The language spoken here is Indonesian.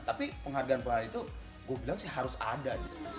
tapi penghargaan penghargaan itu gue bilang sih harus ada